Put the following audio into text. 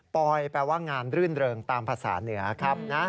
ปอยแปลว่างานรื่นเริงตามภาษาเหนือครับนะ